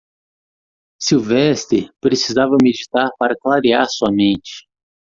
Sylvester precisava meditar para clarear sua mente.